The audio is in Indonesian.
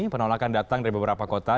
penolakan datang dari beberapa kota